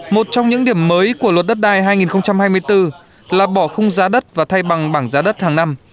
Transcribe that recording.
một trong những điểm mới của luật đất đai hai nghìn hai mươi bốn là bỏ khung giá đất và thay bằng bảng giá đất hàng năm